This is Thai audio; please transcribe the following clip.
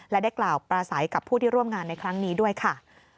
และได้กล่าวประสัยกับผู้ที่ร่วมงานในครั้งนี้ด้วยค่ะ